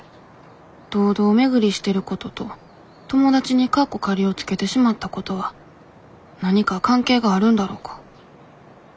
堂々巡りしてることと友達にをつけてしまったことは何か関係があるんだろうか。